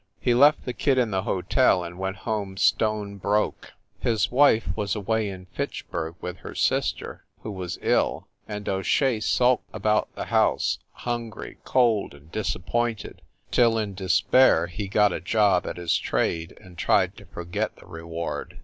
He left the kid in the hotel, and went home stone broke. His wife was away in Fitchburg with her sister, who was ill, and O Shea sulked about the house, hungry, cold, and disappointed, till, in de spair, he got a job at his trade and tried to forget the reward.